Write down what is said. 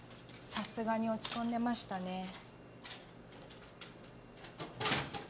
さすがに落ち込んでましたね。